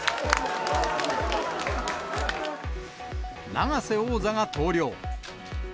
永瀬王座が投了。